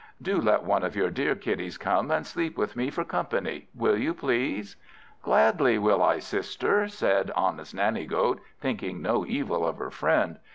Do let one of your dear kiddies come and sleep with me, for company. Will you, please?" "Gladly will I, sister," said honest Nanny goat, thinking no evil of her friend.